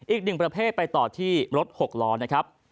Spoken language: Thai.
อีกหนึ่งประเภทไปต่อที่รถหกล้อนะครับ